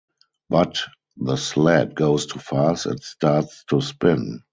But, the sled goes too fast and starts to spin.